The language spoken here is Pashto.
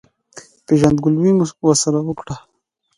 پېژندګلوي مو ورسره وکړه.